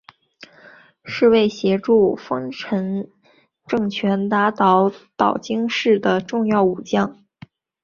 是为协助丰臣政权打倒岛津氏的重要武将。